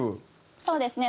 そうですね